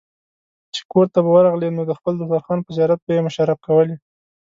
چې کورته به ورغلې نو د خپل دسترخوان په زيارت به يې مشرف کولې.